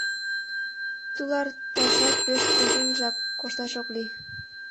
Туларташат пеш кужунжак кошташ ок лий.